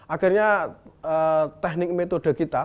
akhirnya teknik metode kita